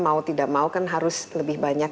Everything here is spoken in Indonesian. mau tidak mau kan harus lebih banyak